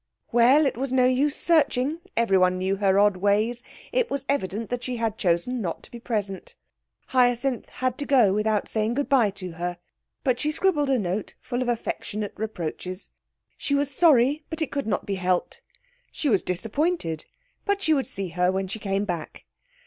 Well, it was no use searching! Everyone knew her odd ways. It was evident that she had chosen not to be present. Hyacinth had to go without saying good bye to her, but she scribbled a note full of affectionate reproaches. She was sorry, but it could not be helped. She was disappointed, but she would see her when she came back.